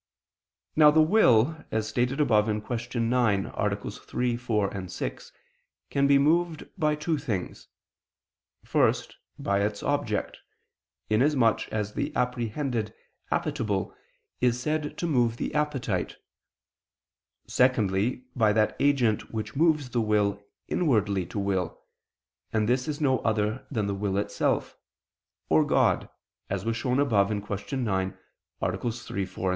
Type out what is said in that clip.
Now the will, as stated above (Q. 9, AA. 3, 4, 6), can be moved by two things: first by its object, inasmuch as the apprehended appetible is said to move the appetite: secondly by that agent which moves the will inwardly to will, and this is no other than the will itself, or God, as was shown above (Q. 9, AA. 3, 4, 6).